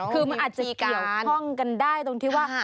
คือมันอาจจะเกี่ยวข้องกันได้ตรงที่ว่า